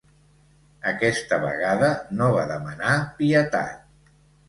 Aquesta vegada no va demanar pietat.